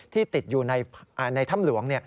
ติดอยู่ในถ้ำหลวง